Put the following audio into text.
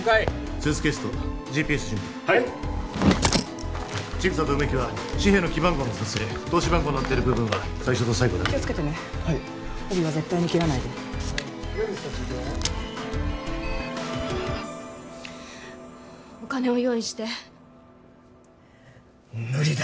スーツケースとＧＰＳ準備はい千草と梅木は紙幣の記番号の撮影通し番号になってる部分は最初と最後だけでいい気をつけてね帯は絶対に切らないでお金を用意して無理だ